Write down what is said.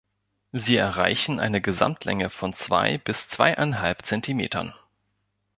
Sie erreichen eine Gesamtlänge von zwei bis zweieinhalb Zentimeter.